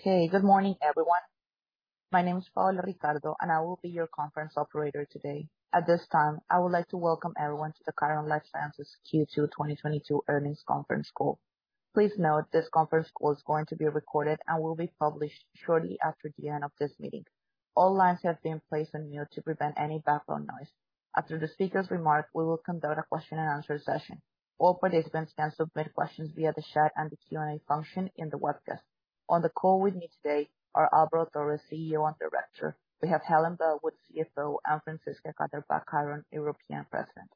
Okay. Good morning, everyone. My name is Paola Ricardo, and I will be your conference operator today. At this time, I would like to welcome everyone to the Khiron Life Sciences Q2 2022 earnings conference call. Please note this conference call is going to be recorded and will be published shortly after the end of this meeting. All lines have been placed on mute to prevent any background noise. After the speaker's remarks, we will conduct a question and answer session. All participants can submit questions via the chat and the Q&A function in the webcast. On the call with me today are Alvaro Torres, CEO and Director. We have Helen Bellwood, CFO, and Franziska Katterbach, Khiron European President.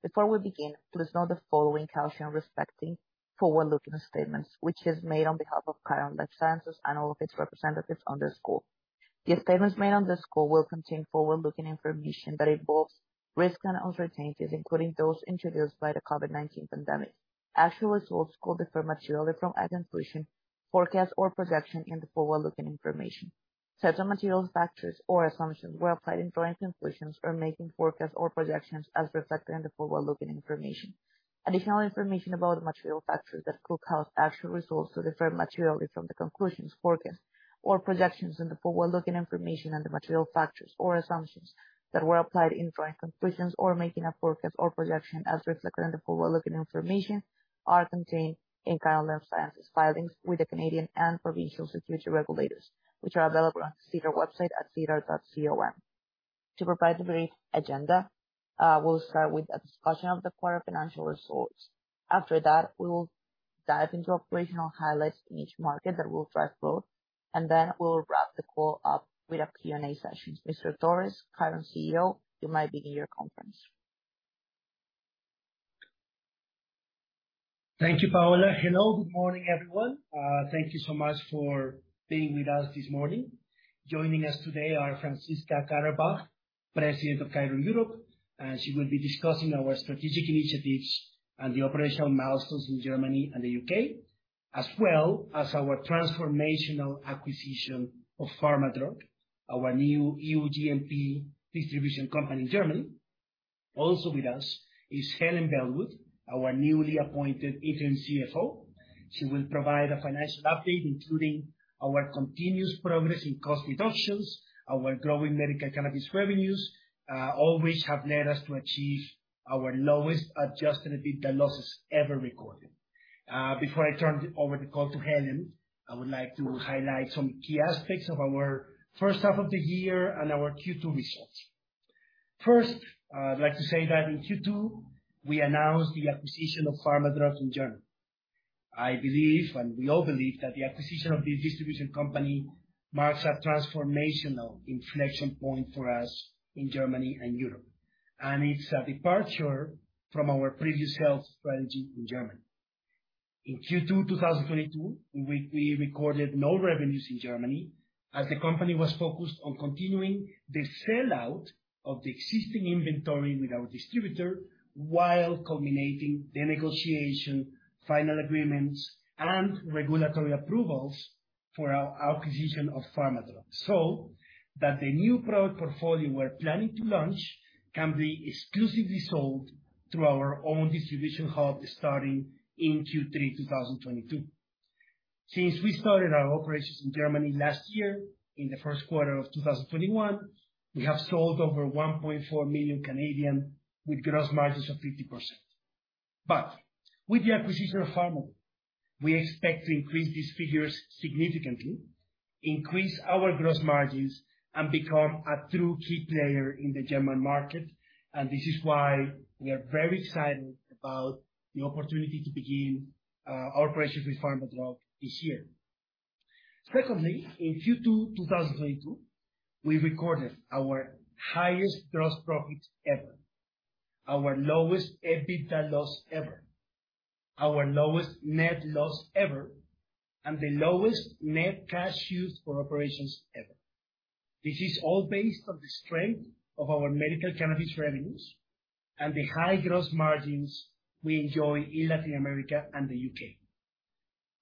Before we begin, please note the following caution respecting forward-looking statements, which is made on behalf of Khiron Life Sciences and all of its representatives on this call. The statements made on this call will contain forward-looking information that involves risks and uncertainties, including those introduced by the COVID-19 pandemic. Actual results could differ materially from any conclusion, forecast or projection in the forward-looking information. Certain material factors or assumptions were applied in drawing conclusions or making forecasts or projections as reflected in the forward-looking information. Additional information about material factors that could cause actual results to differ materially from the conclusions, forecasts, or projections in the forward-looking information and the material factors or assumptions that were applied in drawing conclusions or making a forecast or projection as reflected in the forward-looking information are contained in Khiron Life Sciences filings with the Canadian and provincial securities regulators, which are available on SEDAR website at sedar.com. To provide a brief agenda, we'll start with a discussion of the quarter financial results. After that, we will dive into operational highlights in each market that will drive growth, and then we'll wrap the call up with a Q&A session. Mr. Torres, Khiron CEO, you may begin your conference. Thank you, Paola. Hello, good morning, everyone. Thank you so much for being with us this morning. Joining us today are Franziska Katterbach, President of Khiron Europe, and she will be discussing our strategic initiatives and the operational milestones in Germany and the U.K., as well as our transformational acquisition of Pharmadrug Production GmbH, our new EU GMP distribution company in Germany. Also with us is Helen Bellwood, our newly appointed Interim CFO. She will provide a financial update, including our continuous progress in cost reductions, our growing medical cannabis revenues, all which have led us to achieve our lowest adjusted EBITDA losses ever recorded. Before I turn over the call to Helen, I would like to highlight some key aspects of our first half of the year and our Q2 results. First, I'd like to say that in Q2, we announced the acquisition of Pharmadrug Production GmbH in Germany. I believe, and we all believe, that the acquisition of this distribution company marks a transformational inflection point for us in Germany and Europe, and it's a departure from our previous sales strategy in Germany. In Q2 2022, we recorded no revenues in Germany as the company was focused on continuing the sell-out of the existing inventory with our distributor while culminating the negotiation, final agreements and regulatory approvals for our acquisition of Pharmadrug Production GmbH, so that the new product portfolio we're planning to launch can be exclusively sold through our own distribution hub starting in Q3 2022. Since we started our operations in Germany last year, in the first quarter of 2021, we have sold over 1.4 million, with gross margins of 50%. With the acquisition of Pharmadrug, we expect to increase these figures significantly, increase our gross margins and become a true key player in the German market. This is why we are very excited about the opportunity to begin our operations with Pharmadrug this year. Secondly, in Q2, 2022, we recorded our highest gross profits ever, our lowest EBITDA loss ever, our lowest net loss ever, and the lowest net cash used for operations ever. This is all based on the strength of our medical cannabis revenues and the high gross margins we enjoy in Latin America and the U.K.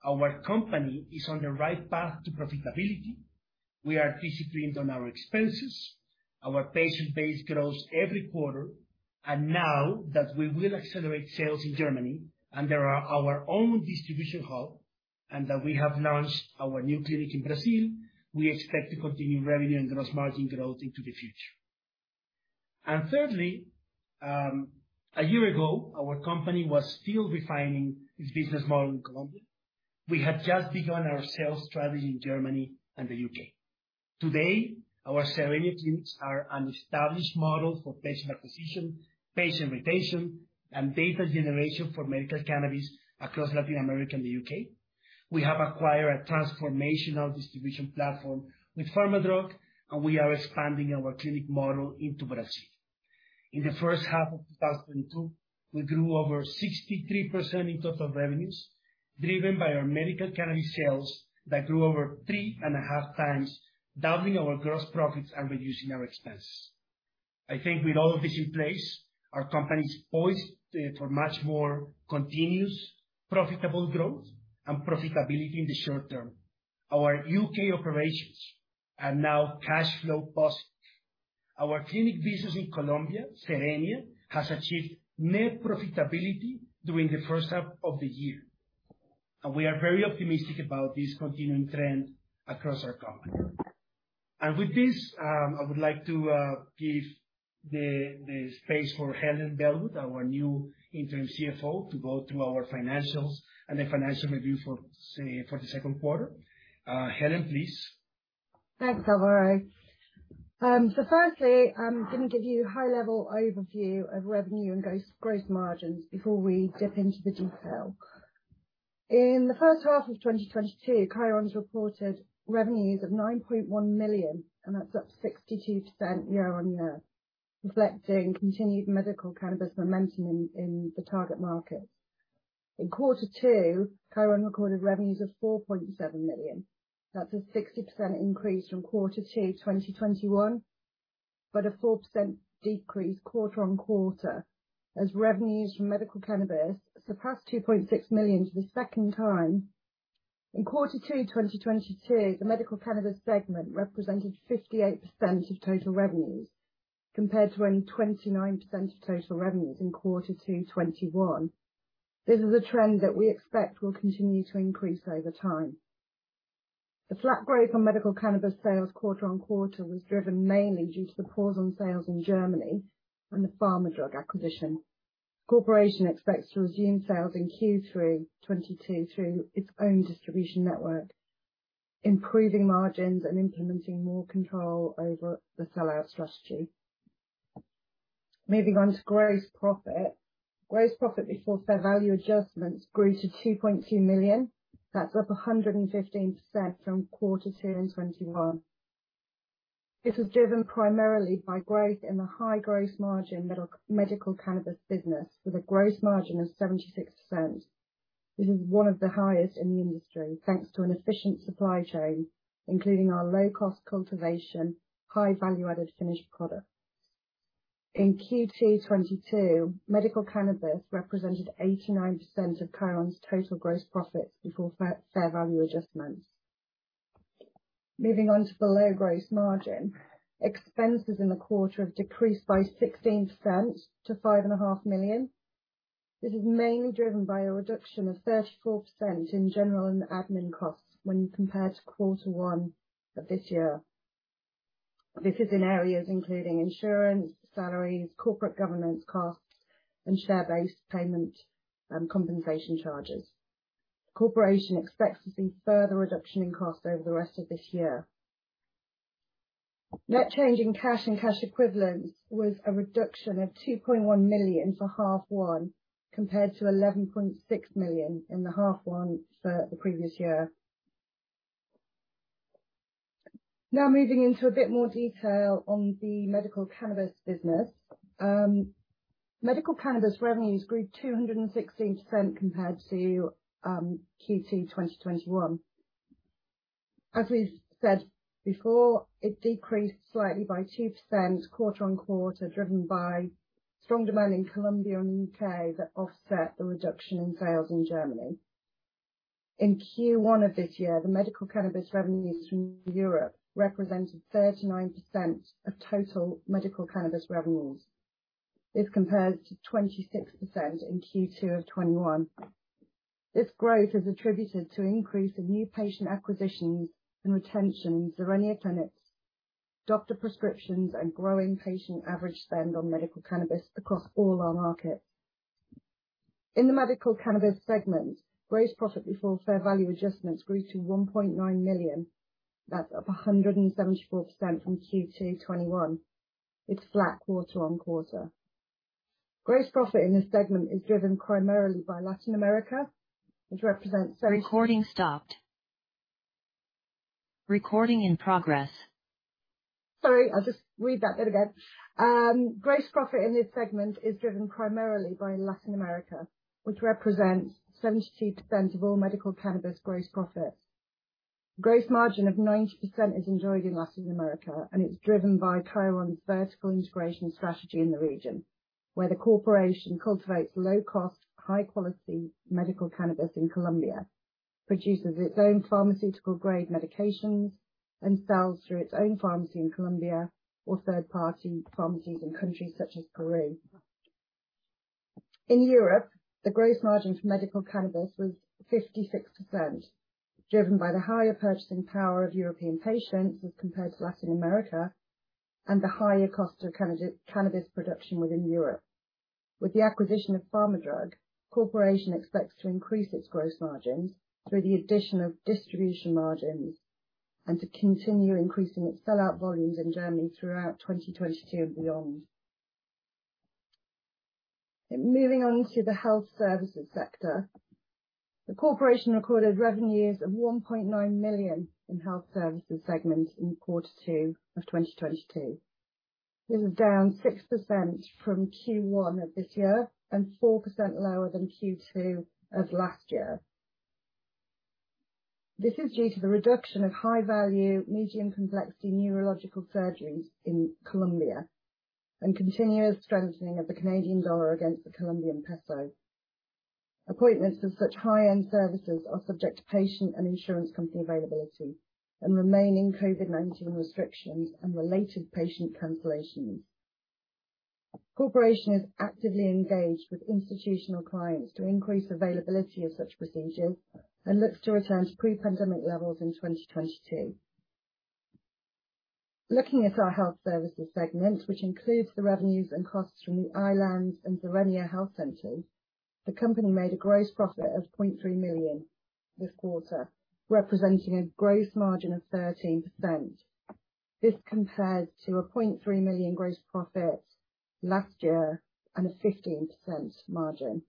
Our company is on the right path to profitability. We are disciplined on our expenses. Our patient base grows every quarter. Now that we will accelerate sales in Germany under our own distribution hub and that we have launched our new clinic in Brazil, we expect to continue revenue and gross margin growth into the future. Thirdly, a year ago, our company was still refining its business model in Colombia. We had just begun our sales strategy in Germany and the U.K. Today, our seven clinics are an established model for patient acquisition, patient retention, and data generation for medical cannabis across Latin America and the U.K. We have acquired a transformational distribution platform with Pharmadrug, and we are expanding our clinic model into Brazil. In the first half of 2022, we grew over 63% in total revenues, driven by our medical cannabis sales that grew over 3.5x, doubling our gross profits and reducing our expenses. I think with all of this in place, our company is poised for much more continuous profitable growth and profitability in the short term. Our U.K. operations are now cash flow positive. Our clinic business in Colombia, Zerenia, has achieved net profitability during the first half of the year. We are very optimistic about this continuing trend across our company. With this, I would like to give the space for Helen Bellwood, our new Interim CFO, to go through our financials and the financial review for the second quarter. Helen, please. Thanks, Alvaro. Firstly, I'm gonna give you a high-level overview of revenue and gross margins before we dip into the detail. In the first half of 2022, Khiron's reported revenues of 9.1 million, and that's up 62% year-on-year, reflecting continued medical cannabis momentum in the target markets. In quarter two, Khiron recorded revenues of 4.7 million. That's a 60% increase from quarter two, 2021, but a 4% decrease quarter-on-quarter, as revenues from medical cannabis surpassed 2.6 million for the second time. In quarter two, 2022, the medical cannabis segment represented 58% of total revenues, compared to only 29% of total revenues in quarter two, 2021. This is a trend that we expect will continue to increase over time. The flat growth on medical cannabis sales quarter-on-quarter was driven mainly due to the pause on sales in Germany and the Pharmadrug acquisition. Corporation expects to resume sales in Q3 2022 through its own distribution network, improving margins and implementing more control over the sellout strategy. Moving on to gross profit. Gross profit before fair value adjustments grew to 2.2 million. That's up 115% from Q2 2021. This was driven primarily by growth in the high gross margin medical cannabis business, with a gross margin of 76%. This is one of the highest in the industry, thanks to an efficient supply chain, including our low cost cultivation, high value-added finished products. In Q2 2022, medical cannabis represented 89% of Khiron's total gross profits before fair value adjustments. Moving on to the low gross margin. Expenses in the quarter have decreased by 16% to 5.5 million. This is mainly driven by a reduction of 34% in general and admin costs when compared to quarter one of this year. This is in areas including insurance, salaries, corporate governance costs, and share-based payment and compensation charges. Corporation expects to see further reduction in costs over the rest of this year. Net change in cash and cash equivalents was a reduction of 2.1 million for half one, compared to 11.6 million in the half one for the previous year. Now moving into a bit more detail on the medical cannabis business. Medical cannabis revenues grew 216% compared to Q2 2021. As we've said before, it decreased slightly by 2% quarter-over-quarter, driven by strong demand in Colombia and U.K. that offset the reduction in sales in Germany. In Q1 of this year, the medical cannabis revenues from Europe represented 39% of total medical cannabis revenues. This compares to 26% in Q2 of 2021. This growth is attributed to increase in new patient acquisitions and retention of Zerenia clinics, doctor prescriptions, and growing patient average spend on medical cannabis across all our markets. In the medical cannabis segment, gross profit before fair value adjustments grew to 1.9 million. That's up 174% from Q2 2021. It's flat quarter-over-quarter. Gross profit in this segment is driven primarily by Latin America, which represents seventy- Recording stopped. Recording in progress. Sorry, I'll just read that bit again. Gross profit in this segment is driven primarily by Latin America, which represents 72% of all medical cannabis gross profits. Gross margin of 90% is enjoyed in Latin America, and it's driven by Khiron's vertical integration strategy in the region, where the corporation cultivates low cost, high quality medical cannabis in Colombia, produces its own pharmaceutical-grade medications, and sells through its own pharmacy in Colombia or third-party pharmacies in countries such as Peru. In Europe, the gross margin for medical cannabis was 56%, driven by the higher purchasing power of European patients as compared to Latin America, and the higher cost of cannabis production within Europe. With the acquisition of Pharmadrug, corporation expects to increase its gross margins through the addition of distribution margins and to continue increasing its sellout volumes in Germany throughout 2022 and beyond. Moving on to the health services sector. The corporation recorded revenues of 1.9 million in health services segment in Q2 of 2022. This is down 6% from Q1 of this year and 4% lower than Q2 of last year. This is due to the reduction of high-value, medium-complexity neurological surgeries in Colombia and continuous strengthening of the Canadian dollar against the Colombian peso. Appointments of such high-end services are subject to patient and insurance company availability and remaining COVID-19 restrictions and related patient cancellations. Corporation is actively engaged with institutional clients to increase availability of such procedures and looks to return to pre-pandemic levels in 2022. Looking at our health services segment, which includes the revenues and costs from the ILANS and Zerenia Health Centers, the company made a gross profit of 0.3 million this quarter, representing a gross margin of 13%. This compares to a 0.3 million gross profit last year and a 15% margin.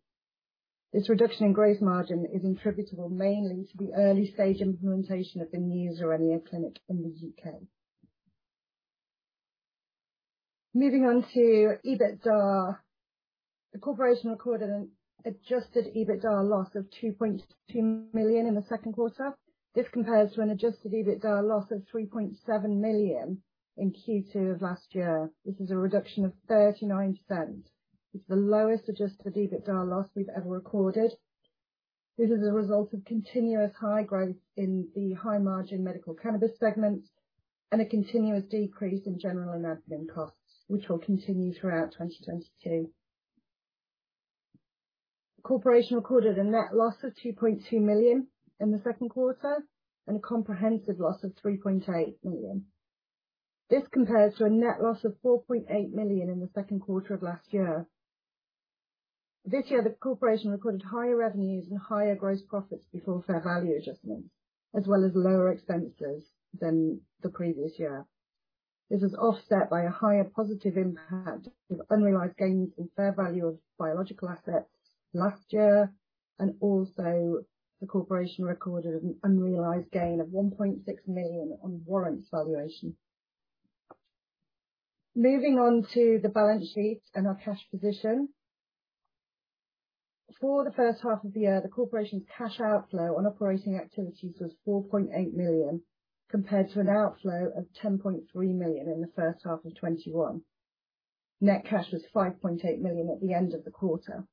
This reduction in gross margin is attributable mainly to the early stage implementation of the new Zerenia clinic in the U.K. Moving on to EBITDA, the corporation recorded an adjusted EBITDA loss of 2.2 million in the second quarter. This compares to an adjusted EBITDA loss of 3.7 million in Q2 of last year. This is a reduction of 39%. It's the lowest adjusted EBITDA loss we've ever recorded. This is a result of continuous high growth in the high margin medical cannabis segment and a continuous decrease in general and admin costs, which will continue throughout 2022. The corporation recorded a net loss of 2.2 million in the second quarter and a comprehensive loss of 3.8 million. This compares to a net loss of 4.8 million in the second quarter of last year. This year, the corporation recorded higher revenues and higher gross profits before fair value adjustments, as well as lower expenses than the previous year. This is offset by a higher positive impact of unrealized gains in fair value of biological assets last year, and also the corporation recorded an unrealized gain of 1.6 million on warrant valuation. Moving on to the balance sheet and our cash position. For the first half of the year, the corporation's cash outflow on operating activities was 4.8 million, compared to an outflow of 10.3 million in the first half of 2021. Net cash was 5.8 million at the end of the quarter.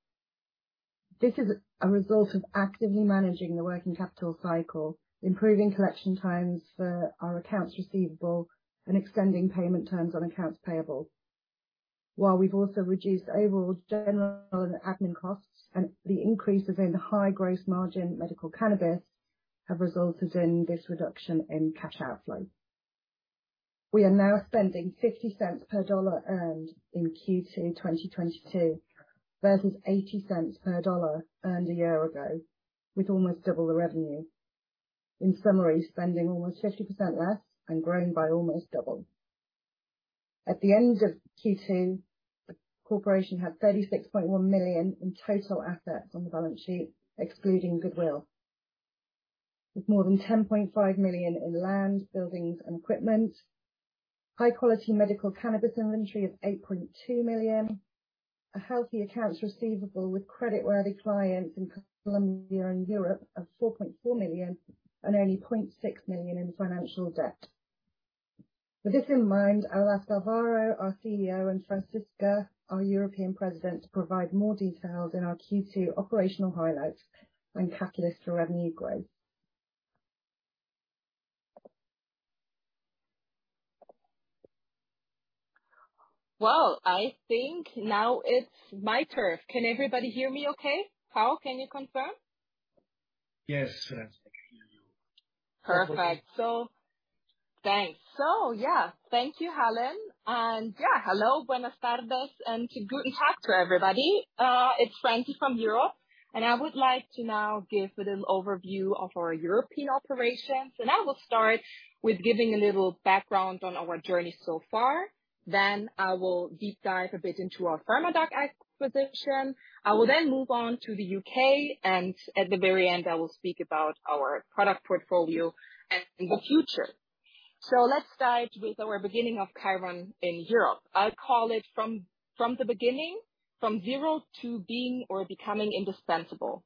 This is a result of actively managing the working capital cycle, improving collection times for our accounts receivable, and extending payment terms on accounts payable. We've also reduced overall general admin costs and the increases in high gross margin medical cannabis have resulted in this reduction in cash outflow. We are now spending 0.50 per CAD 1.00 earned in Q2 2022 versus 0.80 per CAD 1.00 earned a year ago, with almost double the revenue. In summary, spending almost 50% less and growing by almost double. At the end of Q2, the corporation had 36.1 million in total assets on the balance sheet, excluding goodwill, with more than 10.5 million in land, buildings and equipment, high-quality medical cannabis inventory of 8.2 million, a healthy accounts receivable with credit-worthy clients in Colombia and Europe of 4.4 million, and only 0.6 million in financial debt. With this in mind, I'll ask Alvaro, our CEO, and Franziska, our European President, to provide more details in our Q2 operational highlights and catalyst for revenue growth. Well, I think now it's my turn. Can everybody hear me okay? Paola, can you confirm? Yes, yes. I can hear you. Perfect. Thanks. Yeah, thank you, Helen. Yeah, hello, buenas tardes, and guten tag to everybody. It's Franzi from Europe, and I would like to now give a little overview of our European operations. I will start with giving a little background on our journey so far. I will deep dive a bit into our Pharmadrug acquisition. I will then move on to the U.K., and at the very end, I will speak about our product portfolio and the future. Let's start with our beginning of Khiron in Europe. I call it from the beginning, from zero to being or becoming indispensable.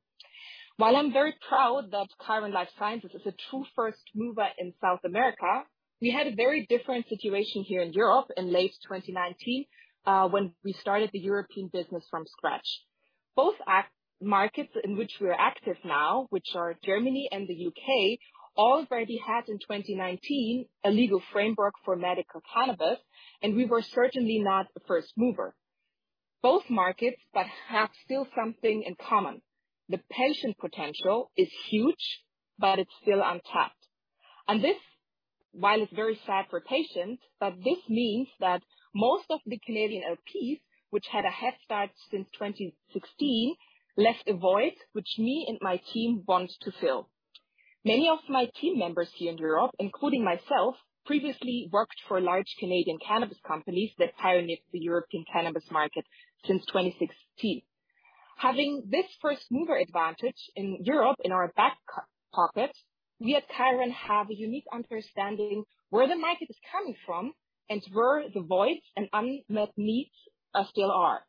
While I'm very proud that Khiron Life Sciences is a true first mover in South America, we had a very different situation here in Europe in late 2019, when we started the European business from scratch. Both markets in which we are active now, which are Germany and the U.K., already had in 2019 a legal framework for medical cannabis, and we were certainly not the first mover. Both markets, but have still something in common. The patient potential is huge, but it's still untapped. This, while it's very sad for patients, but this means that most of the Canadian LPs, which had a head start since 2016, left a void which me and my team want to fill. Many of my team members here in Europe, including myself, previously worked for large Canadian cannabis companies that pioneered the European cannabis market since 2016. Having this first mover advantage in Europe in our back pocket, we at Khiron have a unique understanding where the market is coming from and where the voids and unmet needs still are.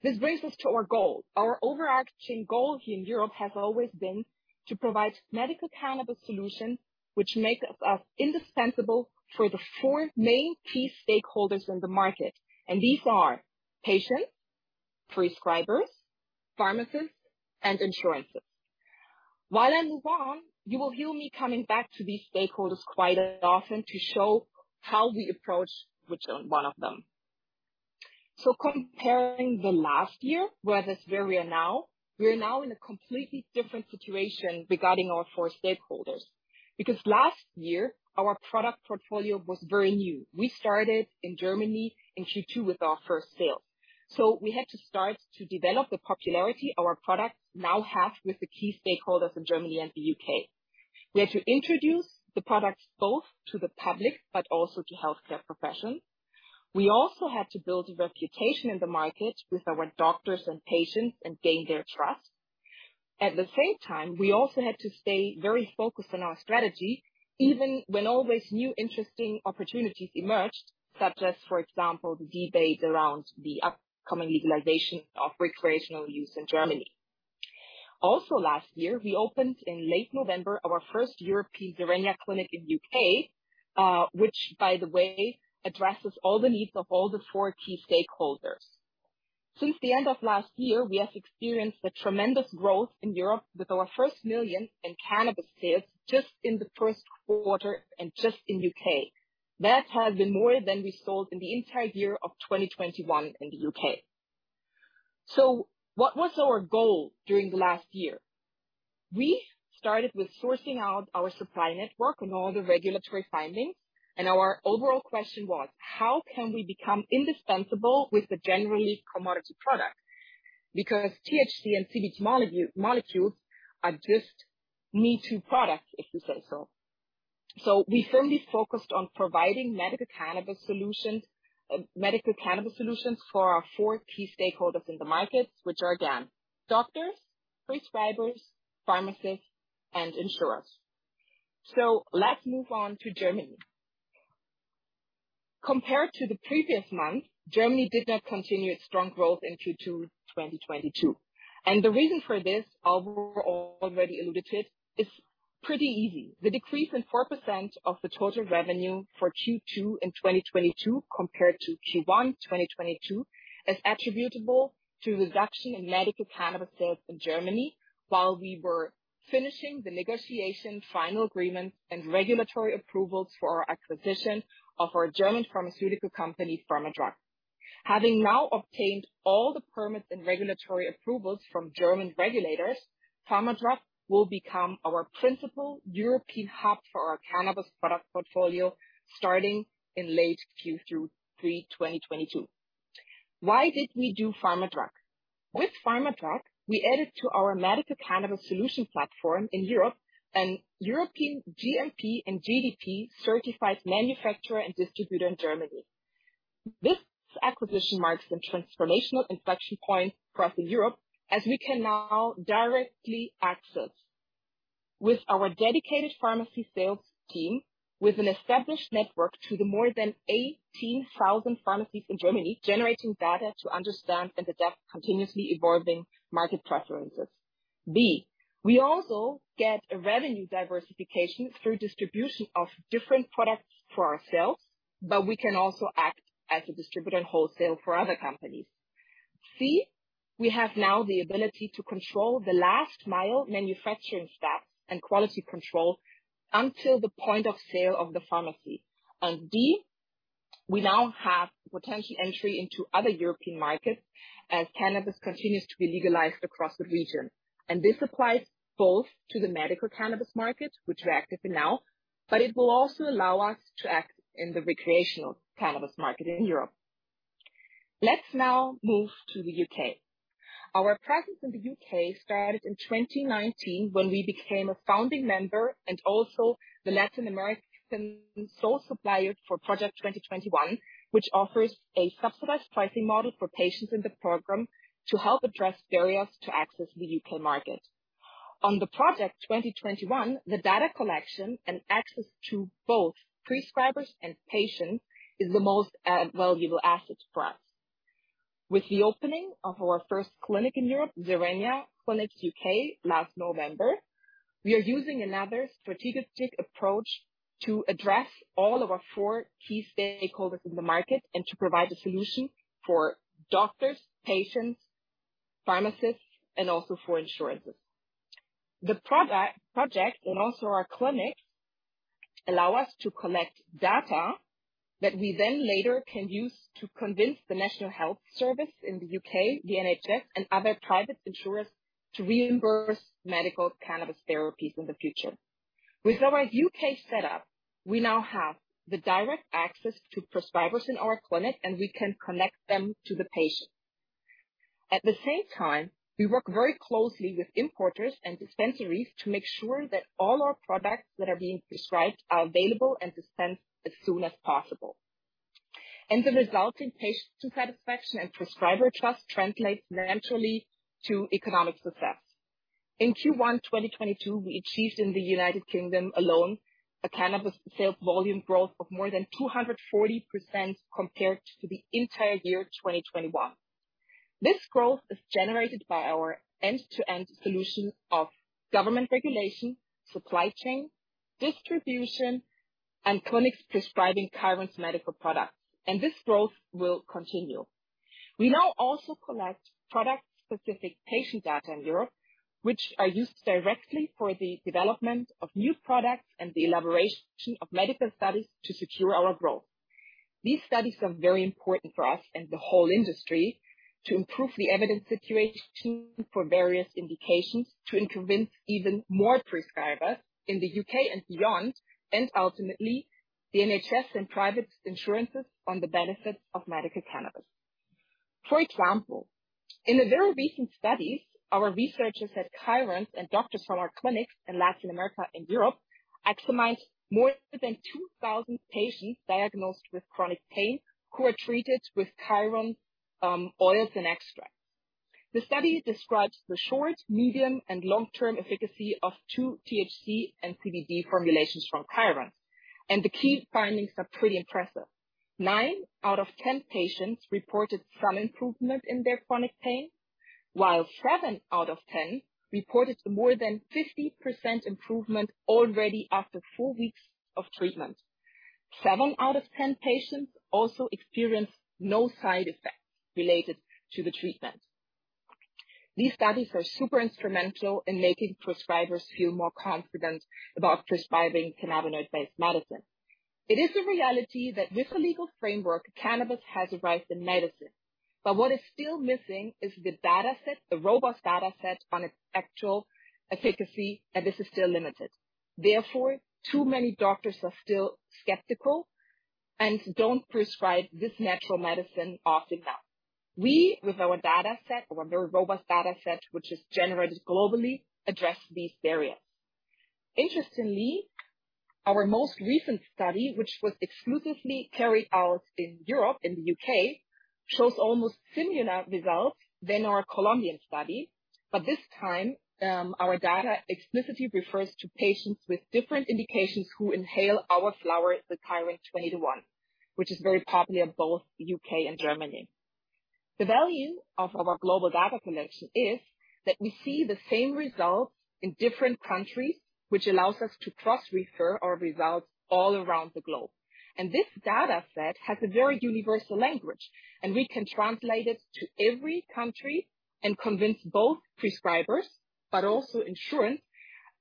This brings us to our goal. Our overarching goal here in Europe has always been to provide medical cannabis solutions which makes us indispensable for the four main key stakeholders in the market. These are patients, prescribers, pharmacists, and insurances. While I move on, you will hear me coming back to these stakeholders quite often to show how we approach which are one of them. Comparing the last year versus where we are now, we are now in a completely different situation regarding our four stakeholders, because last year our product portfolio was very new. We started in Germany in Q2 with our first sale. We had to start to develop the popularity our products now have with the key stakeholders in Germany and the U.K. We had to introduce the products both to the public but also to healthcare professionals. We also had to build a reputation in the market with our doctors and patients and gain their trust. At the same time, we also had to stay very focused on our strategy, even when all these new interesting opportunities emerged, such as, for example, the debate around the upcoming legalization of recreational use in Germany. Also last year, we opened in late November our first European Zerenia clinic in the U.K., which by the way addresses all the needs of all the four key stakeholders. Since the end of last year, we have experienced a tremendous growth in Europe with our 1 million in cannabis sales just in the first quarter and just in the U.K. That has been more than we sold in the entire year of 2021 in the U.K. What was our goal during the last year? We started with sourcing out our supply network and all the regulatory findings, and our overall question was. How can we become indispensable with the generally commodity product? Because THC and CBD molecules are just me-too products, if you say so. We firmly focused on providing medical cannabis solutions for our four key stakeholders in the markets, which are again, doctors, prescribers, pharmacists, and insurers. Let's move on to Germany. Compared to the previous month, Germany did not continue its strong growth in Q2 2022. The reason for this, although already alluded, is pretty easy. The decrease in 4% of the total revenue for Q2 in 2022 compared to Q1 2022 is attributable to reduction in medical cannabis sales in Germany while we were finishing the negotiation, final agreement and regulatory approvals for our acquisition of our German pharmaceutical company, Pharmadrug. Having now obtained all the permits and regulatory approvals from German regulators, Pharmadrug will become our principal European hub for our cannabis product portfolio starting in late Q3 2022. Why did we do pharmadrug? With pharmadrug, we added to our medical cannabis solution platform in Europe and EU GMP and GDP certified manufacturer and distributor in Germany. This acquisition marks the transformational inflection point across Europe as we can now directly access with our dedicated pharmacy sales team with an established network to the more than 18,000 pharmacies in Germany, generating data to understand and adapt continuously evolving market preferences. We also get a revenue diversification through distribution of different products for ourselves, but we can also act as a distributor and wholesaler for other companies. We have now the ability to control the last mile manufacturing steps and quality control until the point of sale of the pharmacy. We now have potential entry into other European markets as cannabis continues to be legalized across the region. This applies both to the medical cannabis market, which we're active in now, but it will also allow us to act in the recreational cannabis market in Europe. Let's now move to the U.K. Our presence in the U.K. started in 2019, when we became a founding member and also the Latin American sole supplier for Project Twenty21, which offers a subsidized pricing model for patients in the program to help address barriers to access the U.K. market. On the Project Twenty21, the data collection and access to both prescribers and patients is the most valuable asset for us. With the opening of our first clinic in Europe, Zerenia Clinics U.K., last November, we are using another strategic approach to address all of our four key stakeholders in the market and to provide a solution for doctors, patients, pharmacists, and also for insurers. The project and also our clinics allow us to collect data that we then later can use to convince the National Health Service in the U.K., the NHS, and other private insurers to reimburse medical cannabis therapies in the future. With our U.K. setup, we now have the direct access to prescribers in our clinic, and we can connect them to the patient. At the same time, we work very closely with importers and dispensaries to make sure that all our products that are being prescribed are available and dispensed as soon as possible, and the resulting patient satisfaction and prescriber trust translates naturally to economic success. In Q1 2022, we achieved in the United Kingdom alone a cannabis sales volume growth of more than 240% compared to the entire year, 2021. This growth is generated by our end-to-end solution of government regulation, supply chain, distribution and clinics prescribing Khiron's medical products, and this growth will continue. We now also collect product-specific patient data in Europe, which are used directly for the development of new products and the elaboration of medical studies to secure our growth. These studies are very important for us and the whole industry to improve the evidence situation for various indications, to convince even more prescribers in the U.K. and beyond, and ultimately the NHS and private insurances on the benefits of medical cannabis. For example, in the very recent studies, our researchers at Khiron and doctors from our clinics in Latin America and Europe observed more than 2,000 patients diagnosed with chronic pain who are treated with Khiron oils and extracts. The study describes the short, medium, and long-term efficacy of two THC and CBD formulations from Khiron, and the key findings are pretty impressive. Nine out of 10 patients reported some improvement in their chronic pain, while seven out of 10 reported more than 50% improvement already after four weeks of treatment. Seven out of 10 patients also experienced no side effects related to the treatment. These studies are super instrumental in making prescribers feel more confident about prescribing cannabinoid-based medicine. It is a reality that with a legal framework, cannabis has arrived in medicine, but what is still missing is the data set, the robust data set on its actual efficacy, and this is still limited. Therefore, too many doctors are still skeptical and don't prescribe this natural medicine often enough. We, with our data set, our very robust data set, which is generated globally, address these barriers. Interestingly, our most recent study, which was exclusively carried out in Europe, in the U.K., shows almost similar results than our Colombian study. This time, our data explicitly refers to patients with different indications who inhale our flower, the Khiron 20/1, which is very popular in both the U.K. and Germany. The value of our global data collection is that we see the same results in different countries, which allows us to cross-refer our results all around the globe. This data set has a very universal language, and we can translate it to every country and convince both prescribers, but also insurance,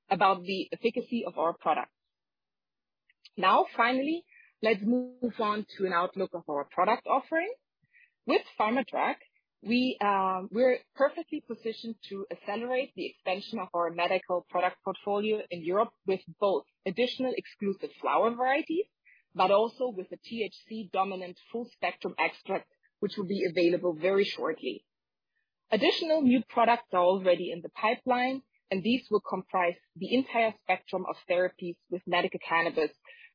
about the efficacy of our product. Now, finally, let's move on to an outlook of our product offering. With Pharmadrug, we're perfectly positioned to accelerate the expansion of our medical product portfolio in Europe with both additional exclusive flower varieties, but also with the THC-dominant full spectrum extract, which will be available very shortly. Additional new products are already in the pipeline, and these will comprise the entire spectrum of therapies with medical cannabis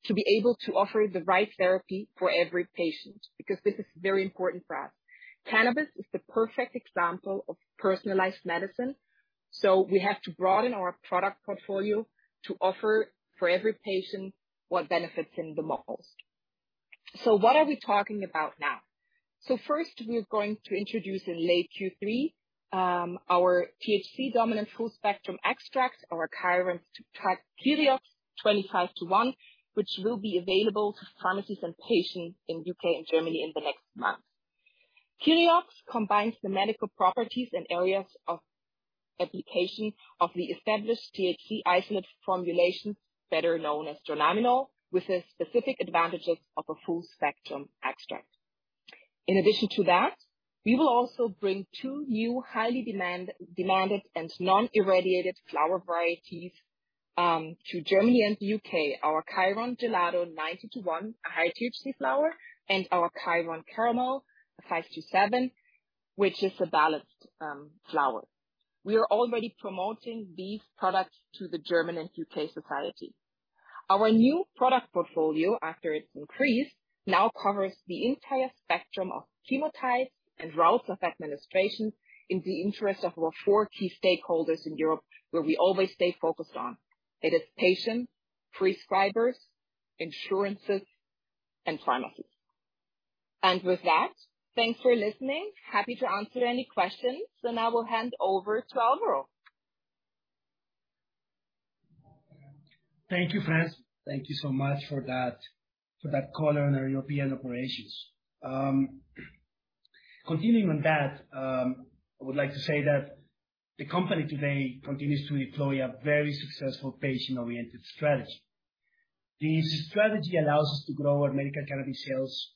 to be able to offer the right therapy for every patient, because this is very important for us. Cannabis is the perfect example of personalized medicine, so we have to broaden our product portfolio to offer for every patient what benefits him the most. What are we talking about now? First, we're going to introduce in late Q3 our THC-dominant full spectrum extract, our Khiron KHIRIOX 25/1, which will be available to pharmacies and patients in U.K. and Germany in the next months. KHIRIOX combines the medical properties and areas of application of the established THC isolate formulation, better known as Dronabinol, with the specific advantages of a full spectrum extract. In addition to that, we will also bring two new highly demanded and non-irradiated flower varieties to Germany and the U.K. Our Khiron Gelato 19/1, a high-THC flower, and our Khiron Caramel 5/7, which is a balanced flower. We are already promoting these products to the German and U.K. society. Our new product portfolio, after its increase, now covers the entire spectrum of chemotypes and routes of administration in the interest of our four key stakeholders in Europe, where we always stay focused on. It is patients, prescribers, insurances, and pharmacies. With that, thanks for listening. Happy to answer any questions. Now I will hand over to Alvaro. Thank you, Franzi. Thank you so much for that call on our European operations. Continuing on that, I would like to say that the company today continues to deploy a very successful patient-oriented strategy. This strategy allows us to grow our medical cannabis sales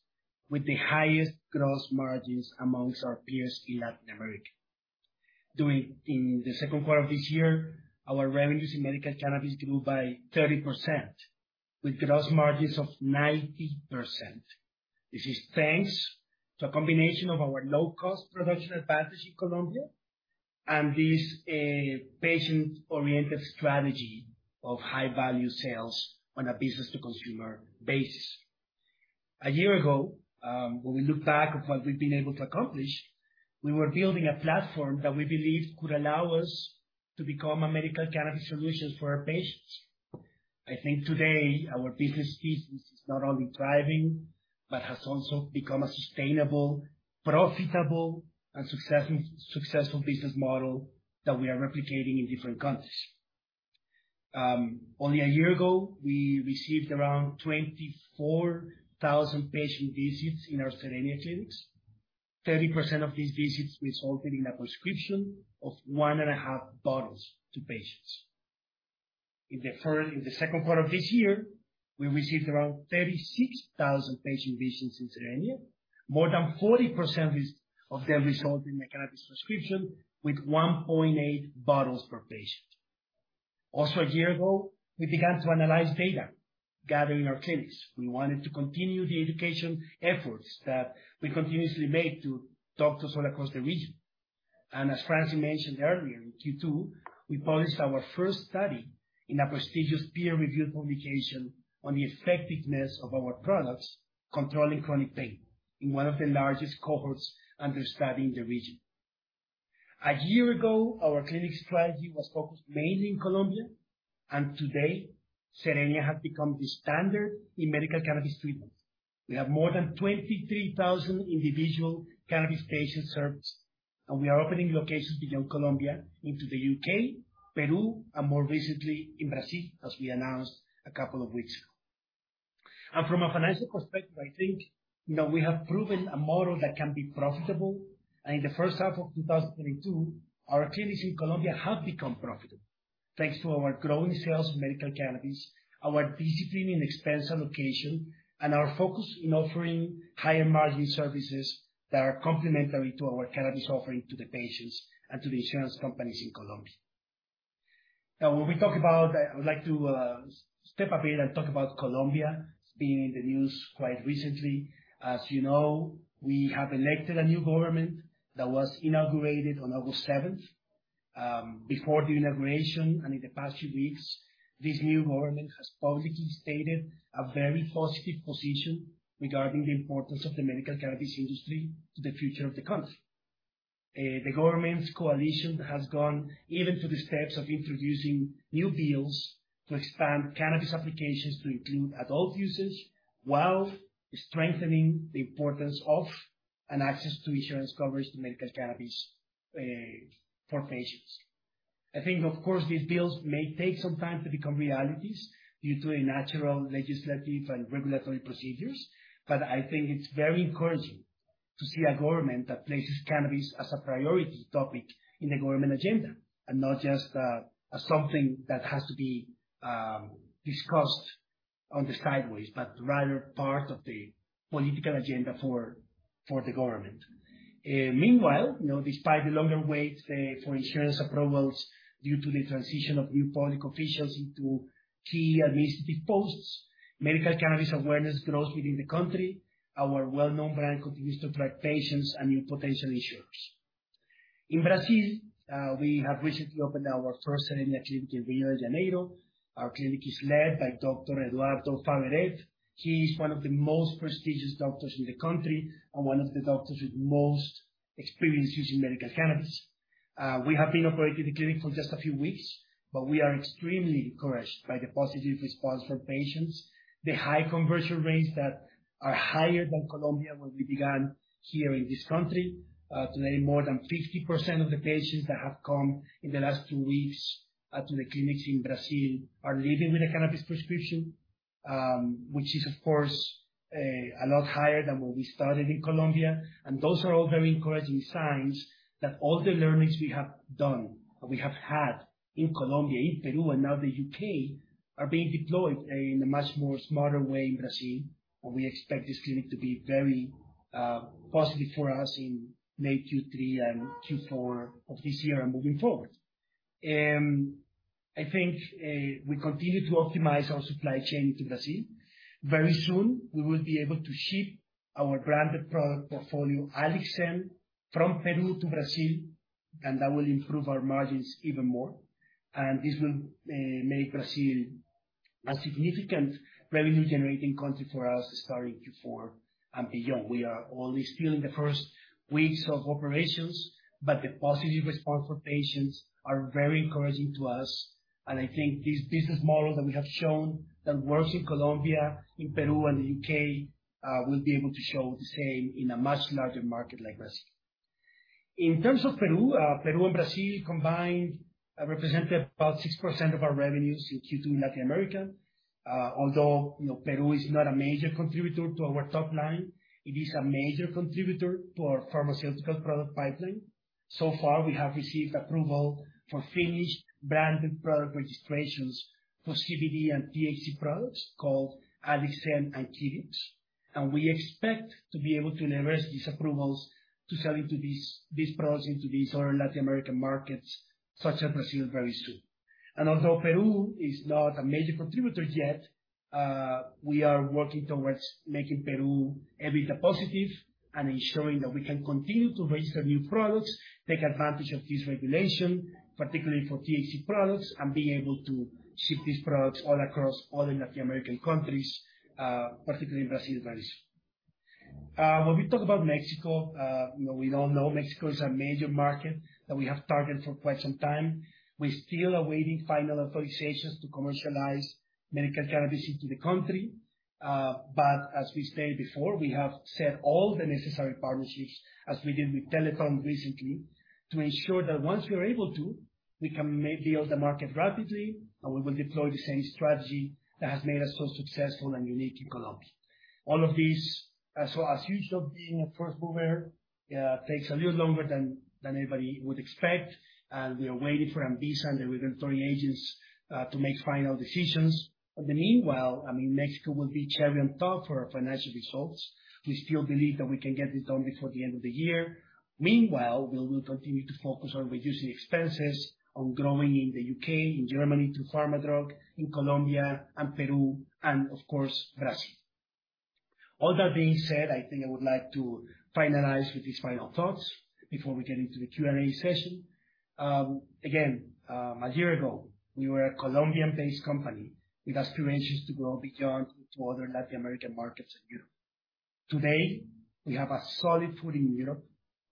with the highest gross margins among our peers in Latin America. In the second quarter of this year, our revenues in medical cannabis grew by 30% with gross margins of 90%. This is thanks to a combination of our low cost production advantage in Colombia and this patient-oriented strategy of high value sales on a business-to-consumer basis. A year ago, when we look back at what we've been able to accomplish, we were building a platform that we believe could allow us to become a medical cannabis solution for our patients. I think today our business is. It's not only thriving, but has also become a sustainable, profitable, and successful business model that we are replicating in different countries. Only a year ago, we received around 24,000 patient visits in our Zerenia clinics. 30% of these visits resulted in a prescription of 1.5 bottles to patients. In the second quarter of this year, we received around 36,000 patient visits in Zerenia. More than 40% of them result in a cannabis prescription with 1.8 bottles per patient. Also, a year ago, we began to analyze data gathered in our clinics. We wanted to continue the education efforts that we continuously make to doctors all across the region. As Franziska mentioned earlier, in Q2, we published our first study in a prestigious peer-reviewed publication on the effectiveness of our products controlling chronic pain in one of the largest cohorts under study in the region. A year ago, our clinic strategy was focused mainly in Colombia, and today, Zerenia has become the standard in medical cannabis treatment. We have more than 23,000 individual cannabis patients served, and we are opening locations beyond Colombia into the U.K., Peru, and more recently in Brazil, as we announced a couple of weeks ago. From a financial perspective, I think, you know, we have proven a model that can be profitable. In the first half of 2022, our clinics in Colombia have become profitable, thanks to our growing sales in medical cannabis, our discipline in expense allocation, and our focus in offering higher margin services that are complementary to our cannabis offering to the patients and to the insurance companies in Colombia. Now, when we talk about, I would like to step a bit and talk about Colombia. It's been in the news quite recently. As you know, we have elected a new government that was inaugurated on 7th August. Before the inauguration, and in the past few weeks, this new government has publicly stated a very positive position regarding the importance of the medical cannabis industry to the future of the country. The government's coalition has gone even to the steps of introducing new bills to expand cannabis applications to include adult usage while strengthening the importance of an access to insurance coverage to medical cannabis for patients. I think, of course, these bills may take some time to become realities due to a natural legislative and regulatory procedures. I think it's very encouraging to see a government that places cannabis as a priority topic in the government agenda and not just as something that has to be discussed on the sidelines, but rather part of the political agenda for the government. Meanwhile, you know, despite the longer wait for insurance approvals due to the transition of new public officials into key administrative posts, medical cannabis awareness grows within the country. Our well-known brand continues to attract patients and new potential insurers. In Brazil, we have recently opened our first Zerenia clinic in Rio de Janeiro. Our clinic is led by Dr. Eduardo Faveret. He is one of the most prestigious doctors in the country and one of the doctors with most experience using medical cannabis. We have been operating the clinic for just a few weeks, but we are extremely encouraged by the positive response from patients, the high conversion rates that are higher than Colombia when we began here in this country. Today, more than 50% of the patients that have come in the last two weeks to the clinics in Brazil are leaving with a cannabis prescription, which is of course, a lot higher than when we started in Colombia. Those are all very encouraging signs that all the learnings we have done or we have had in Colombia, in Peru, and now the U.K., are being deployed in a much more smarter way in Brazil, and we expect this clinic to be very positive for us in late Q3 and Q4 of this year and moving forward. I think we continue to optimize our supply chain to Brazil. Very soon, we will be able to ship our branded product portfolio, Alixen, from Peru to Brazil, and that will improve our margins even more. This will make Brazil a significant revenue generating country for us starting Q4 and beyond. We are only still in the first weeks of operations, but the positive response from patients are very encouraging to us. I think this business model that we have shown that works in Colombia, in Peru, and the U.K., will be able to show the same in a much larger market like Brazil. In terms of Peru and Brazil combined represent about 6% of our revenues in Q2 in Latin America. Although, you know, Peru is not a major contributor to our top line, it is a major contributor to our pharmaceutical product pipeline. So far, we have received approval for finished branded product registrations for CBD and THC products called Alixen and Tirix. We expect to be able to leverage these approvals to sell these products into these other Latin American markets, such as Brazil, very soon. Although Peru is not a major contributor yet, we are working towards making Peru EBITDA positive and ensuring that we can continue to register new products, take advantage of this regulation, particularly for THC products, and being able to ship these products all across other Latin American countries, particularly Brazil very soon. When we talk about Mexico, you know, we all know Mexico is a major market that we have targeted for quite some time. We're still awaiting final authorizations to commercialize medical cannabis into the country. As we stated before, we have set all the necessary partnerships, as we did with Teletón recently, to ensure that once we are able to, we can maybe build the market rapidly, and we will deploy the same strategy that has made us so successful and unique in Colombia. All of these, so as usual, being a first mover, takes a little longer than anybody would expect. We are waiting for ANVISA and the regulatory agents to make final decisions. In the meanwhile, I mean, Mexico will be cherry on top for our financial results. We still believe that we can get this done before the end of the year. Meanwhile, we will continue to focus on reducing expenses, on growing in the U.K., in Germany through pharmadrug, in Colombia and Peru, and of course, Brazil. All that being said, I think I would like to finalize with these final thoughts before we get into the Q&A session. Again, a year ago, we were a Colombian-based company with aspirations to grow beyond to other Latin American markets and Europe. Today, we have a solid footing in Europe.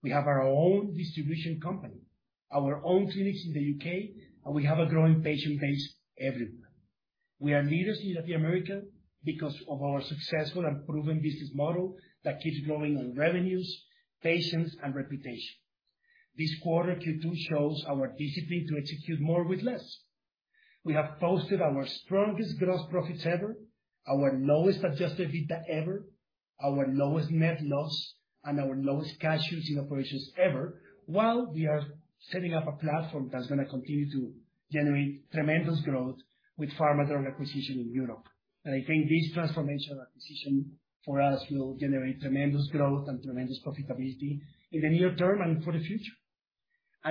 We have our own distribution company, our own clinics in the U.K, and we have a growing patient base everywhere. We are leaders in Latin America because of our successful and proven business model that keeps growing on revenues, patients, and reputation. This quarter, Q2, shows our discipline to execute more with less. We have posted our strongest gross profits ever, our lowest adjusted EBITDA ever, our lowest net loss, and our lowest cash used in operations ever, while we are setting up a platform that's gonna continue to generate tremendous growth with Pharmadrug acquisition in Europe. I think this transformational acquisition for us will generate tremendous growth and tremendous profitability in the near term and for the future.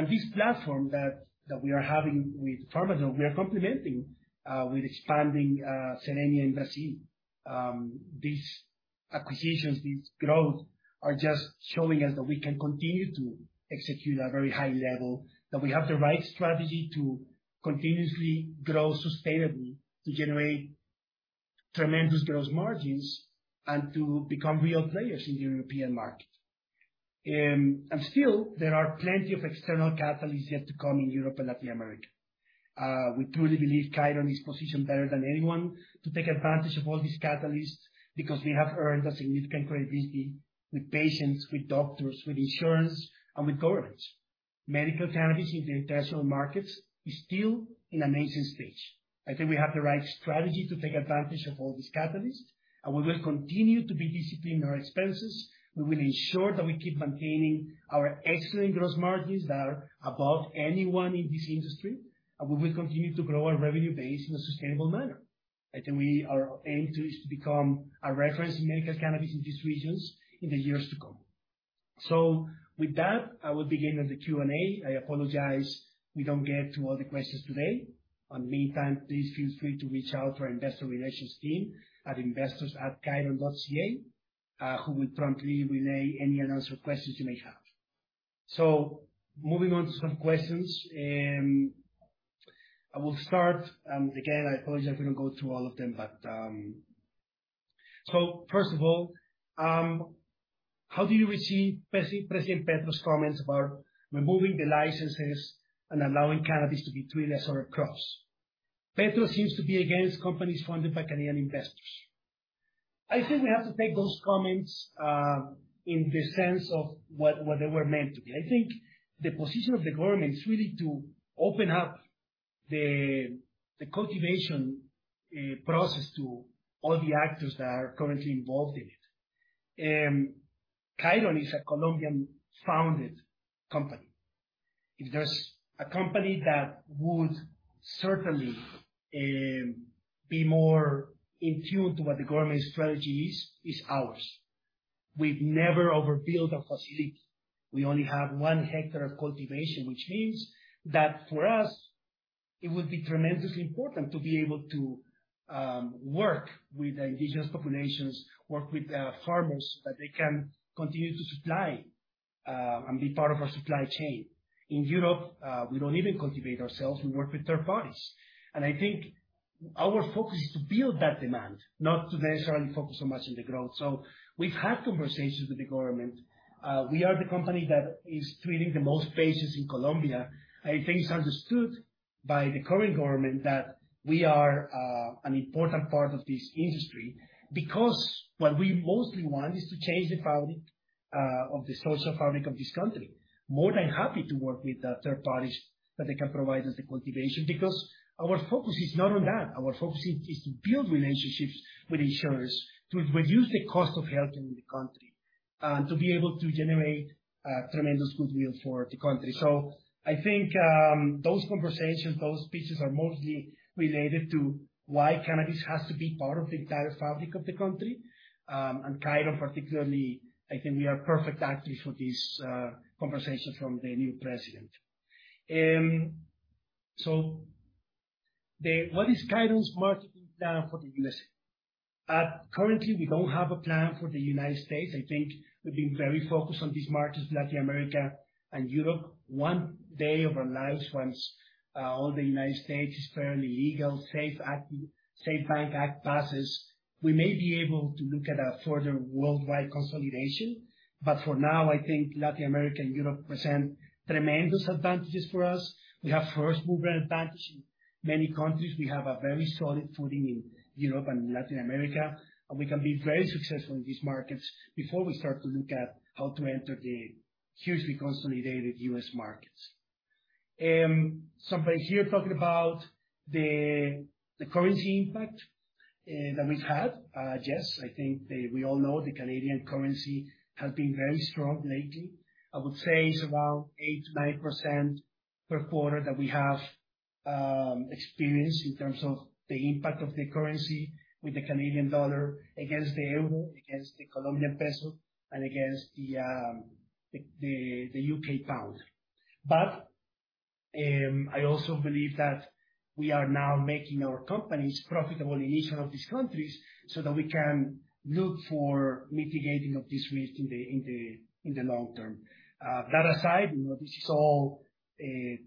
This platform that we are having with Pharmadrug, we are complementing with expanding Zerenia in Brazil. These acquisitions, these growth are just showing us that we can continue to execute at a very high level, that we have the right strategy to continuously grow sustainably, to generate tremendous gross margins, and to become real players in the European market. Still, there are plenty of external catalysts yet to come in Europe and Latin America. We truly believe Khiron is positioned better than anyone to take advantage of all these catalysts because we have earned a significant credibility with patients, with doctors, with insurance, and with governments. Medical cannabis in the international markets is still in a nascent stage. I think we have the right strategy to take advantage of all these catalysts, and we will continue to be disciplined in our expenses. We will ensure that we keep maintaining our excellent gross margins that are above anyone in this industry, and we will continue to grow our revenue base in a sustainable manner. I think we are aimed to become a reference in medical cannabis in these regions in the years to come. With that, I will begin with the Q&A. I apologize if we don't get to all the questions today. In the meantime, please feel free to reach out to our investor relations team at investors@khiron.ca, who will promptly relay any unanswered questions you may have. Moving on to some questions. I will start again. I apologize I couldn't go through all of them, but. First of all, how do you receive President Petro's comments about removing the licenses and allowing cannabis to be treated as other crops? Petro seems to be against companies funded by Canadian investors. I think we have to take those comments in the sense of what they were meant to be. I think the position of the government is really to open up the cultivation process to all the actors that are currently involved in it. Khiron is a Colombian-founded company. If there's a company that would certainly be more in tune to what the government strategy is, it's ours. We've never overbuilt a facility. We only have one hectare of cultivation, which means that for us, it would be tremendously important to be able to work with the indigenous populations, work with the farmers, that they can continue to supply and be part of our supply chain. In Europe, we don't even cultivate ourselves. We work with third parties. I think our focus is to build that demand, not to necessarily focus so much on the growth. We've had conversations with the government. We are the company that is treating the most patients in Colombia. I think it's understood by the current government that we are an important part of this industry because what we mostly want is to change the fabric of the social fabric of this country. More than happy to work with the third parties that they can provide us the cultivation because our focus is not on that. Our focus is to build relationships with insurers, to reduce the cost of healthcare in the country, and to be able to generate a tremendous goodwill for the country. I think those conversations, those speeches are mostly related to why cannabis has to be part of the entire fabric of the country. Khiron particularly, I think we are perfect actors for this conversation from the new president. What is Khiron's marketing plan for the U.S.? Currently we don't have a plan for the United States. I think we've been very focused on these markets, Latin America and Europe. One day of our lives, once all the United States is fairly legal, SAFE Banking Act passes, we may be able to look at a further worldwide consolidation. For now, I think Latin America and Europe present tremendous advantages for us. We have first-mover advantage in many countries. We have a very solid footing in Europe and Latin America, and we can be very successful in these markets before we start to look at how to enter the hugely consolidated U.S. markets. Somebody here talking about the currency impact that we've had. Yes, I think that we all know the Canadian currency has been very strong lately. I would say it's about 8%-9% per quarter that we have experienced in terms of the impact of the currency with the Canadian dollar against the euro, against the Colombian peso, and against the U.K. pound. I also believe that we are now making our companies profitable in each one of these countries so that we can look for mitigating of this risk in the long term. That aside, you know, this is all a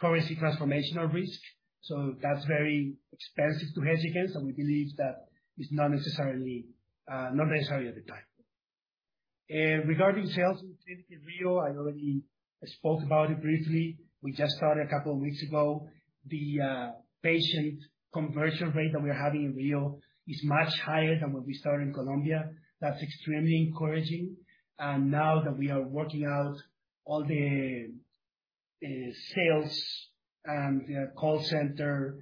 currency transformational risk, so that's very expensive to hedge against, and we believe that it's not necessary at the time. Regarding sales in clinic in Rio, I already spoke about it briefly. We just started a couple of weeks ago. The patient conversion rate that we're having in Rio is much higher than when we started in Colombia. That's extremely encouraging. Now that we are working out all the sales and call center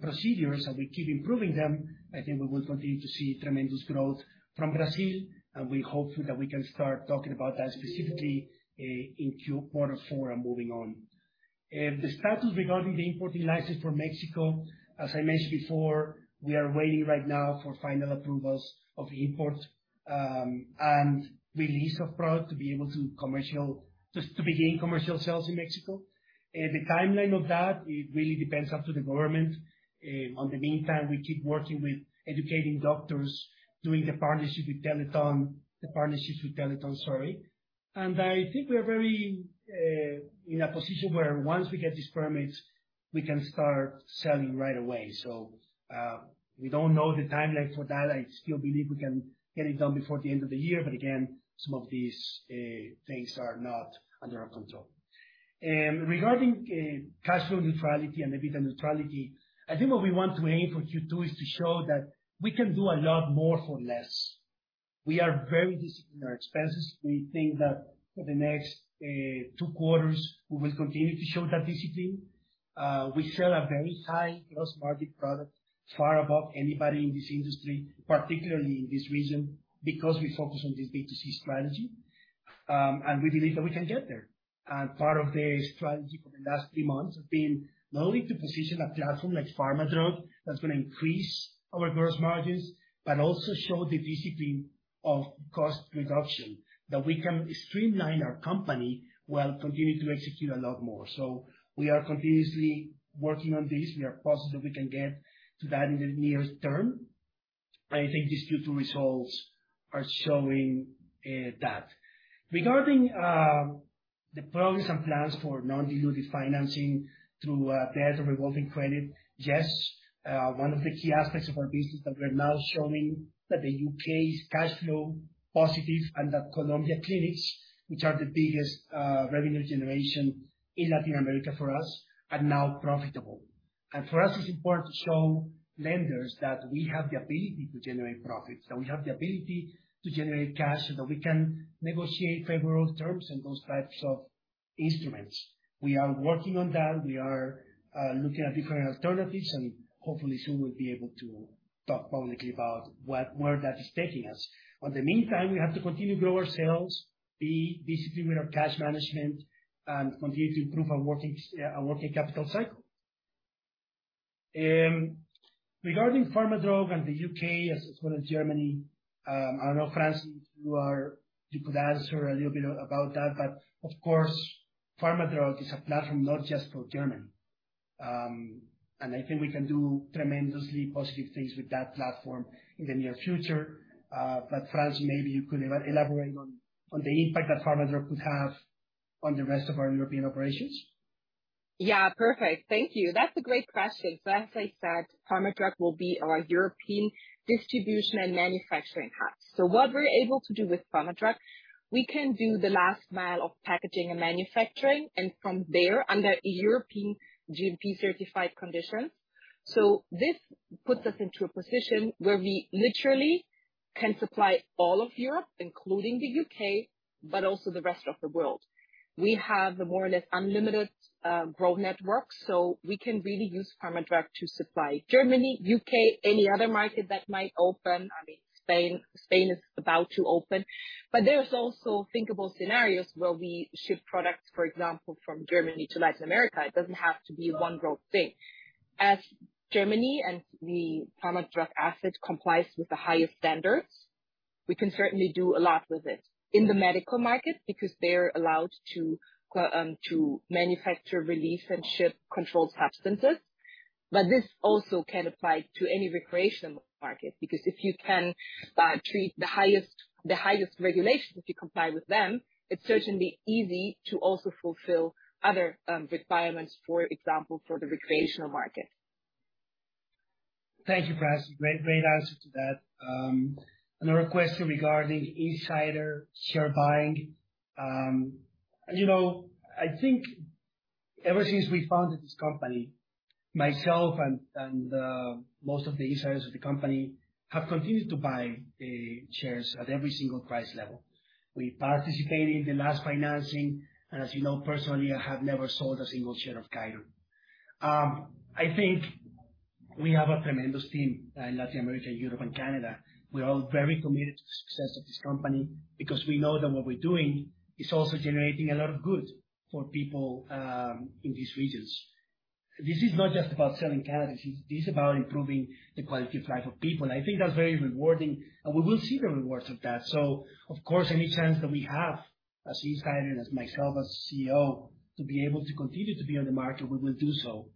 procedures, and we keep improving them, I think we will continue to see tremendous growth from Brazil, and we hope that we can start talking about that specifically into quarter four and moving on. The status regarding the importing license for Mexico, as I mentioned before, we are waiting right now for final approvals of import, and release of product to be able to begin commercial sales in Mexico. The timeline of that, it really depends upon the government. In the meantime, we keep working on educating doctors, doing the partnerships with Teletón. I think we are very in a position where once we get these permits, we can start selling right away. We don't know the timeline for that. I still believe we can get it done before the end of the year. Again, some of these things are not under our control. Regarding cash flow neutrality and EBITDA neutrality, I think what we want to aim for Q2 is to show that we can do a lot more for less. We are very disciplined in our expenses. We think that for the next two quarters, we will continue to show that discipline. We sell a very high gross margin product, far above anybody in this industry, particularly in this region, because we focus on this D2C strategy. We believe that we can get there. Part of the strategy for the last three months has been not only to position a platform like pharmadrug that's gonna increase our gross margins, but also show the discipline of cost reduction, that we can streamline our company while continuing to execute a lot more. We are continuously working on this. We are positive we can get to that in the near term. I think these Q2 results are showing that. Regarding the progress and plans for non-dilutive financing through debt or revolving credit, yes, one of the key aspects of our business that we're now showing that the U.K., is cash flow positive and that Colombia clinics, which are the biggest revenue generation in Latin America for us, are now profitable. For us, it's important to show lenders that we have the ability to generate profits, that we have the ability to generate cash so that we can negotiate favorable terms and those types of instruments. We are working on that. We are looking at different alternatives, and hopefully soon we'll be able to talk publicly about where that is taking us. In the meantime, we have to continue to grow our sales, be disciplined with our cash management, and continue to improve our working capital cycle. Regarding Pharmadrug and the U.K., as well as Germany, I don't know, Franzi, if you could answer a little bit about that, but of course, Pharmadrug is a platform not just for Germany. I think we can do tremendously positive things with that platform in the near future. Franzi, maybe you could elaborate on the impact that Pharmadrug could have on the rest of our European operations. Yeah, perfect. Thank you. That's a great question. As I said, pharmadrug will be our European distribution and manufacturing hub. What we're able to do with Pharmadrug, we can do the last mile of packaging and manufacturing, and from there, under European GMP certified conditions. This puts us into a position where we literally can supply all of Europe, including the U.K., but also the rest of the world. We have the more or less unlimited growth network, so we can really use Pharmadrug to supply Germany, U.K., any other market that might open. I mean, Spain is about to open. There is also thinkable scenarios where we ship products, for example, from Germany to Latin America. It doesn't have to be one growth thing. In Germany, the pharmadrug asset complies with the highest standards. We can certainly do a lot with it in the medical market because they're allowed to manufacture, refine and ship controlled substances. This also can apply to any recreational market, because if you can meet the highest regulation, if you comply with them, it's certainly easy to also fulfill other requirements, for example, for the recreational market. Thank you, Franzi. Great, great answer to that. Another question regarding insider share buying. You know, I think ever since we founded this company, myself and the most of the insiders of the company have continued to buy the shares at every single price level. We participated in the last financing, and as you know, personally, I have never sold a single share of Khiron. I think we have a tremendous team in Latin America, Europe and Canada. We're all very committed to the success of this company because we know that what we're doing is also generating a lot of good for people in these regions. This is not just about selling cannabis. This is about improving the quality of life of people. I think that's very rewarding, and we will see the rewards of that. Of course, any chance that we have as insiders, as myself, as CEO, to be able to continue to be on the market, we will do so.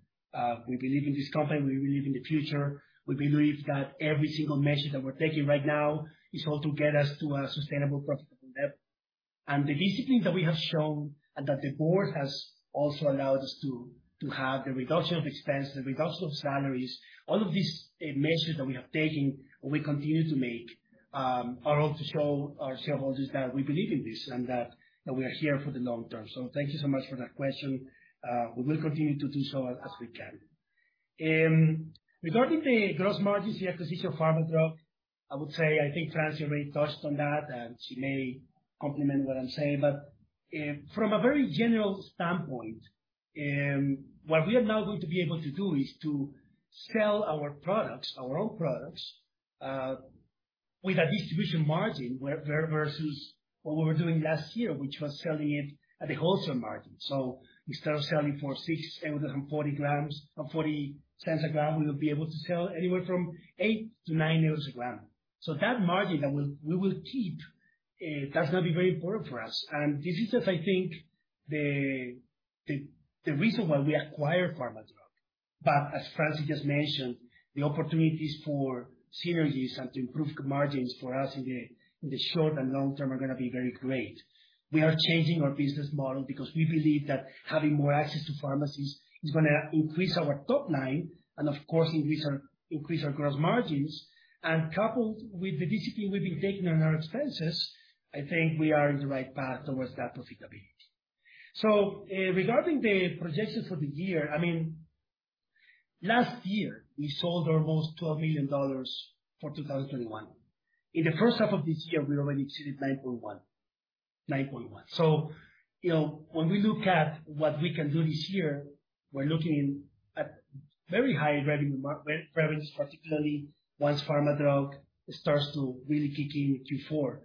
We believe in this company. We believe in the future. We believe that every single measure that we're taking right now is all to get us to a sustainable, profitable level. The discipline that we have shown and that the board has also allowed us to have the reduction of expense, the reduction of salaries, all of these measures that we have taken and we continue to make are all to show our shareholders that we believe in this and that we are here for the long term. Thank you so much for that question. We will continue to do so as we can. Regarding the gross margins, the acquisition of Pharmadrug, I would say I think Franzi already touched on that. She may complement what I'm saying, but, from a very general standpoint, what we are now going to be able to do is to sell our products, our own products, with a distribution margin versus what we were doing last year, which was selling it at the wholesale margin. Instead of selling for6.40 g, we will be able to sell anywhere from 8-9 g. That margin that we'll keep, that's gonna be very important for us. This is just, I think, the reason why we acquired Pharmadrug. As Franzi Just mentioned, the opportunities for synergies and to improve margins for us in the short and long term are gonna be very great. We are changing our business model because we believe that having more access to pharmacies is gonna increase our top line and of course increase our gross margins. Coupled with the discipline we've been taking on our expenses, I think we are in the right path towards that profitability. Regarding the projections for the year, I mean, last year we sold almost 12 million dollars for 2021. In the first half of this year, we already exceeded 9.1 million. You know, when we look at what we can do this year, we're looking at very high revenues, particularly once Pharmadrug starts to really kick in in Q4.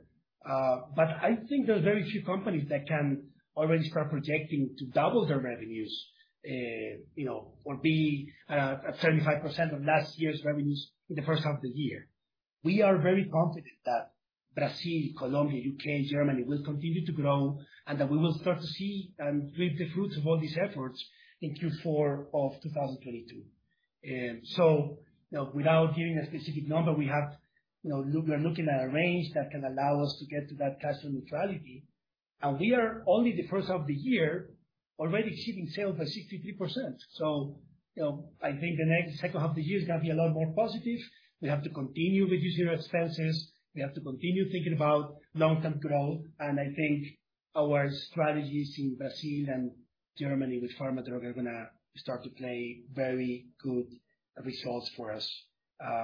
I think there are very few companies that can already start projecting to double their revenues, you know, or be at 75% of last year's revenues in the first half of the year. We are very confident that Brazil, Colombia, U.K., Germany will continue to grow and that we will start to see and reap the fruits of all these efforts in Q4 of 2022. Now without giving a specific number, we have, you know, look, we are looking at a range that can allow us to get to that cash flow neutrality. We are only the first half of the year already achieving sales by 63%. You know, I think the next second half of the year is gonna be a lot more positive. We have to continue reducing our expenses. We have to continue thinking about long-term growth. I think our strategies in Brazil and Germany with Pharmadrug are gonna start to play very good results for us,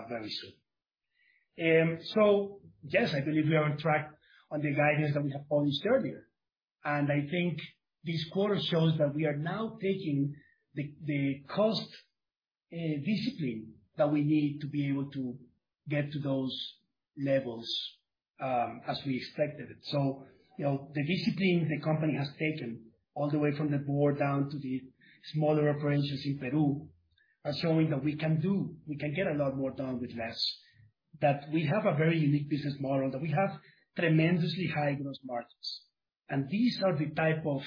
very soon. Yes, I believe we are on track on the guidance that we have published earlier. I think this quarter shows that we are now taking the cost discipline that we need to be able to get to those levels, as we expected. You know, the discipline the company has taken all the way from the board down to the smaller operations in Peru are showing that we can do, we can get a lot more done with less, that we have a very unique business model, that we have tremendously high gross margins. These are the type of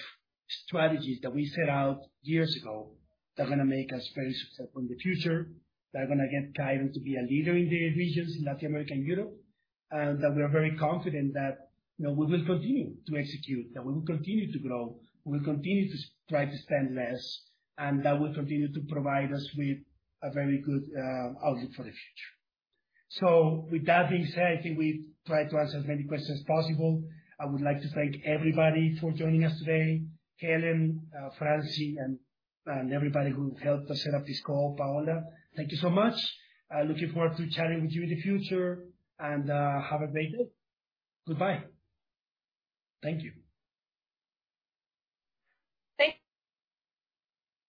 strategies that we set out years ago that are gonna make us very successful in the future, that are gonna get Khiron to be a leader in the regions in Latin America and Europe, and that we are very confident that, you know, we will continue to execute, that we will continue to grow, we will continue to try to spend less, and that will continue to provide us with a very good outlook for the future. With that being said, I think we've tried to answer as many questions as possible. I would like to thank everybody for joining us today, Helen, Franzi, and everybody who helped us set up this call. Paola, thank you so much. Looking forward to chatting with you in the future. Have a great day. Goodbye. Thank you. Thank-